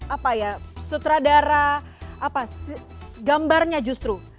apa ya sutradara apa gambarnya justru